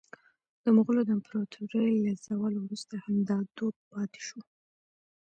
د مغولو د امپراطورۍ له زواله وروسته هم دا دود پاتې شو.